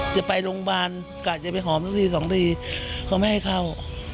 จะไปโรงพยาบาลกะจะไปหอมสักทีสองทีเขาไม่ให้เข้า